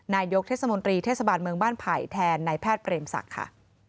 นายกเทศมนตรีเทศบาลเมืองบ้านไผ่แทนนายแพทย์เปรมศักดิ์ค่ะ